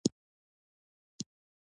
افغانستان په سلیمان غر باندې غني دی.